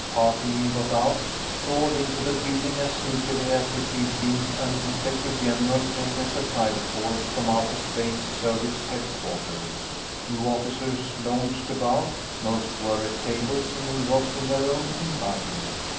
Parking, he got out, strolled into the building as sneakily as if he'd been an inspector general paying a surprise call from out of Space Service Headquarters. Few officers lounged about. Most were at tables and engrossed in their own imbibing.